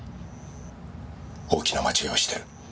大きな間違いをしてる。